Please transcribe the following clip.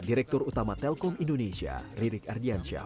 direktur utama telkom indonesia ririk ardiansyah